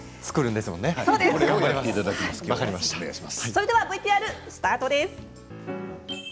それではＶＴＲスタートです。